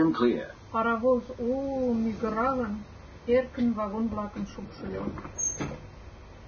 Паровоз у-у-у! мӱгыралын, эркын вагон-влакым шупшыльо.